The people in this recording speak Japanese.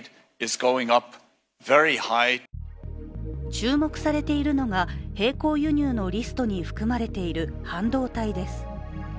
注目されているのが、並行輸入のリストに含まれている半導体です。